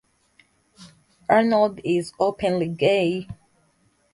Arnold is openly gay.